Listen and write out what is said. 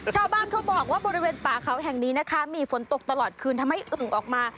ชาวบ้านเขาบอกว่าบริเวณป่าเขาแห่งนี้นะคะมีฝนตกตลอดคืนทำให้อึ่งออกมา